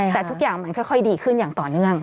แต่ทุกอย่างมันค่อยดีขึ้นอย่างต่อเนื่อง